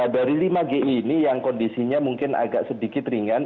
dari lima gi ini yang kondisinya mungkin agak sedikit ringan